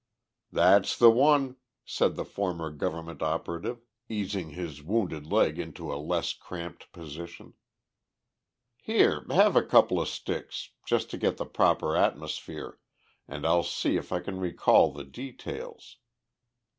"That's the one," said the former government operative, easing his wounded leg into a less cramped position. "Here, have a couple of sticks just to get the proper atmosphere and I'll see if I can recall the details."